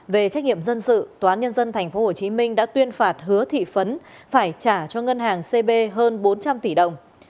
về trách nhiệm dân sự tòa án nhân dân tp hcm đã tuyên phạt hứa thị phấn phải trả cho ngân hàng cb hơn bốn trăm linh tỷ đồng